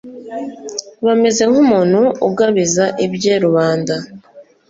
bameze nk'umuntu ugabiza ibye rubanda